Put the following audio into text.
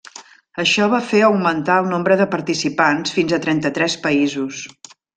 Això va fer augmentar el nombre de participants fins a trenta-tres països.